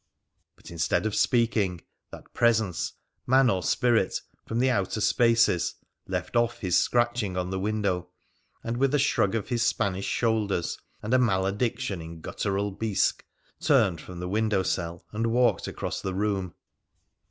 But, instead of speaking, that presence, man or spirit, from the outer spaces, left off his scratching on the window, and, with a shrug of his Spanish shoulders and a malediction in guttural Bisque, turned from the window cell and walked across the room.